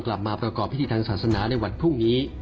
กลับมาประกอบพิธีทางศาสนาในวันพรุ่งนี้